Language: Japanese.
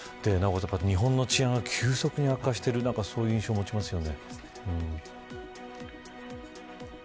日本の治安が急速に悪化しているそういう印象を持ちますよね。